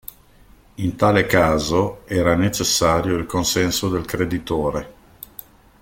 In tale caso era necessario il consenso del creditore.